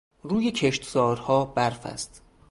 روی کشتزارها برف است.